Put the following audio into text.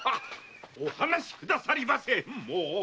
お離しくださいませ！